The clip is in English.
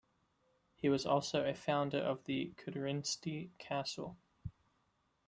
He was also a founder of the Kudryntsi Castle.